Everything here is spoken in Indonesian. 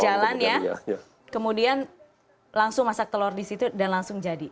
jalan ya kemudian langsung masak telur di situ dan langsung jadi